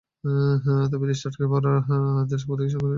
তবে দেশটিতে আটকে পড়াদের প্রকৃত সংখ্যা সুনির্দিষ্ট করে বলা সম্ভব নয়।